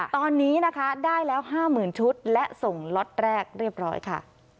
ตอนนี้นะคะได้แล้ว๕๐๐๐ชุดและส่งล็อตแรกเรียบร้อยค่ะ